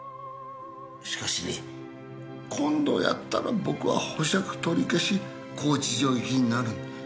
しかしね今度やったら僕は保釈取り消し拘置所行きになるんだ。